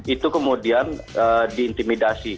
itu kemudian diintimidasi